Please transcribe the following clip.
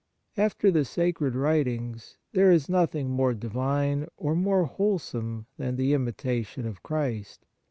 After the Sacred Writings, there is nothing more divine or more whole some than " The Imitation of Christ."